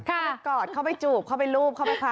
เข้าไปกอดเข้าไปจูบเข้าไปรูปเข้าไหมคะ